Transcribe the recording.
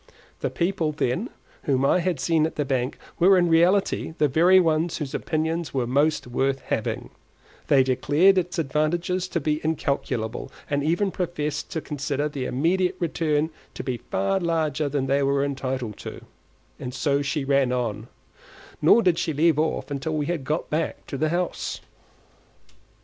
The people, then, whom I had seen at the bank were in reality the very ones whose opinions were most worth having; they declared its advantages to be incalculable, and even professed to consider the immediate return to be far larger than they were entitled to; and so she ran on, nor did she leave off till we had got back to the house.